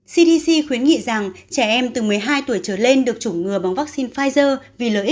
cdc khuyến nghị rằng trẻ em từ một mươi hai tuổi trở lên được chủng ngừa bằng vắc xin pfizer vì lợi